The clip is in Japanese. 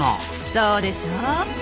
そうでしょう。